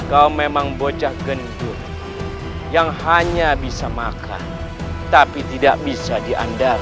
kau memang bocah gendut yang hanya bisa makan tapi tidak bisa diandalkan